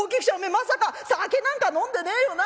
まさか酒なんか飲んでねえよな？」。